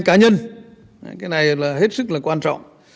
cái này là hết sức là quan trọng